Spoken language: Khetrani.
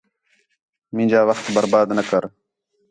مینجا وخت برباد نہ کر